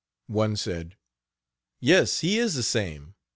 One said: "Yes, he is the same.